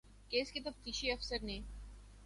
case کے تفتیشی افسر نے